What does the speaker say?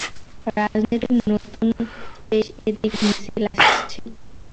রাজনীতির নতুন স্পেসএদিকে মিছিল আসছেই।